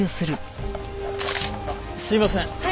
すいません。